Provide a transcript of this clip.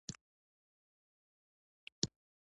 کله چې ماشوم بلوغیت ته نږدې شي، بدلونونه پکې راځي.